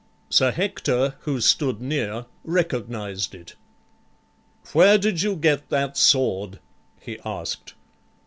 Sir Hector, who stood near, recognized it. "Where did you get that sword?" he asked.